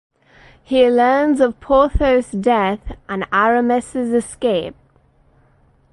He learns of Porthos' death and Aramis' escape.